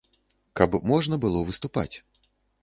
Каб можна было выступаць.